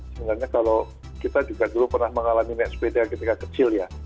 sebenarnya kalau kita juga dulu pernah mengalami naik sepeda ketika kecil ya